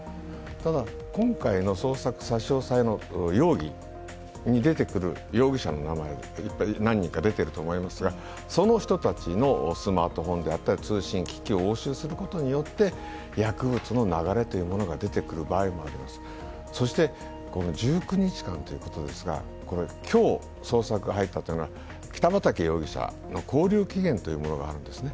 ただ、今回の捜索、差し押さえの容疑に出てくる容疑者の名前って何人か出ていると思いますがその人たちのスマートフォンであったり通信機器を押収することによって薬物の流れというのが出てくる場合もあります、そして１９日間ということですが、今日、捜索入ったというのは北畠容疑者の拘留期限というのがあるんですね。